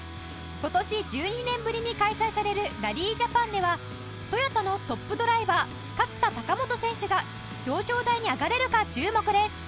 今年１２年ぶりに開催されるラリージャパンではトヨタのトップドライバー勝田貴元選手が表彰台に上がれるか注目です